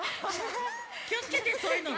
きをつけてそういうの。